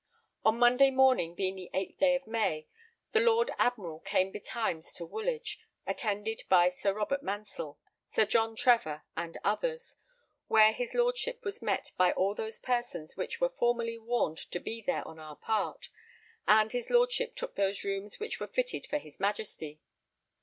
On Monday morning, being the eighth day of May, the Lord Admiral came betimes to Woolwich, attended by Sir Robert Mansell, Sir John Trevor, and others, where his Lordship was met by all those persons which were formerly warned to be there on our part, and his Lordship took those rooms which were fitted for his Majesty.